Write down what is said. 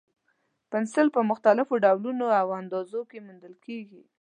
پنسل په مختلفو ډولونو او اندازو کې موندل کېږي.